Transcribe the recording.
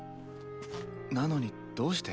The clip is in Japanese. なのにどうして。